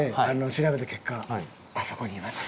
調べた結果あそこにいます。